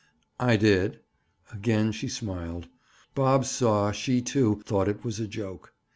"I did." Again she smiled. Bob saw she, too, thought it was a joke.